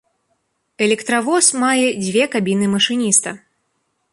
Электравоз мае дзве кабіны машыніста.